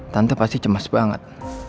tante pasti cemas banget